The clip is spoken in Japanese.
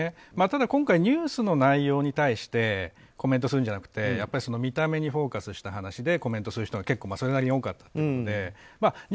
今回、ニュースの内容に対してコメントするんじゃなくて見た目にフォーカスした話でコメントする人が結構それなりに多かったので。